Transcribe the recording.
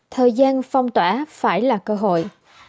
thời gian phong tỏa phải là cơ hội